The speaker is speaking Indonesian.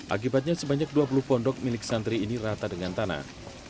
akibatnya sebanyak dua puluh pondok milik santri ini rata dengan tanah